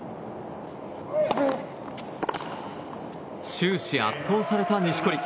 終始、圧倒された錦織。